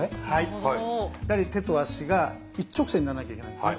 やはり手と足が一直線にならなきゃいけないんですね。